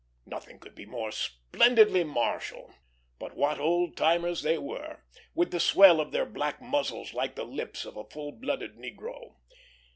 Nothing could be more splendidly martial. But what old timers they were, with the swell of their black muzzles, like the lips of a full blooded negro.